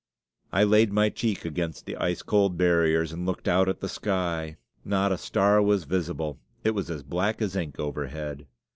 I laid my cheek against the ice cold barriers and looked out at the sky; not a star was visible; it was as black as ink overhead.